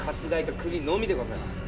鎹と釘のみでございます。